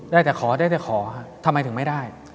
ได้แต่ขอทำไมถึงไม่ได้